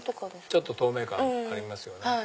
ちょっと透明感ありますよね。